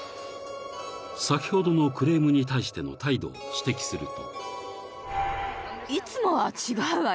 ［先ほどのクレームに対しての態度を指摘すると］